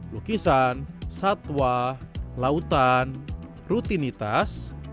lukisan satwa lautan rutinitas